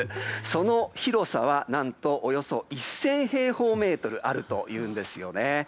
その広さは何とおよそ１０００平方メートルあるというんですよね。